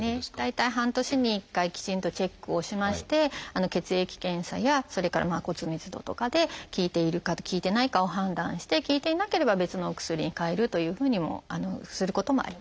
大体半年に１回きちんとチェックをしまして血液検査やそれから骨密度とかで効いているか効いてないかを判断して効いていなければ別のお薬にかえるというふうにもすることもあります。